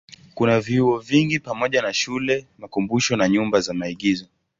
Kuna vyuo vingi pamoja na shule, makumbusho na nyumba za maigizo.